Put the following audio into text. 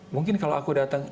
mungkin kalau aku datang